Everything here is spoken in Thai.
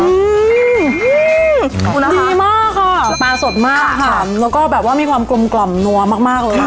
อืมคุณดีมากค่ะปลาสดมากค่ะแล้วก็แบบว่ามีความกลมกล่อมนัวมากมากเลยนะคะ